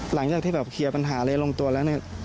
หลังจากที่แบบเคลียร์ปัญหาอะไรลงตัวแล้วเนี่ย